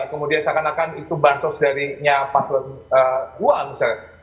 kemudian seakan akan itu bantus dari pak prabowo misalnya